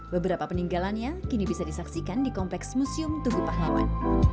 beberapa peninggalannya kini bisa disaksikan di kompleks museum tugu pahlawan